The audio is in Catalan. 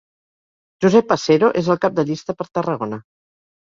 Josep Acero és el cap de llista per Tarragona.